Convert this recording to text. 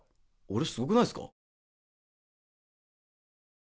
俺すごくないっすか？